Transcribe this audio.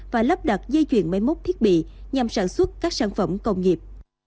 và lắp đặt dây chuyền máy móc thiết bị nhằm sản xuất các sản phẩm công nghiệp